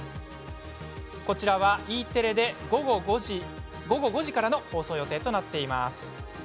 Ｅテレで午後５時からの放送予定となっています。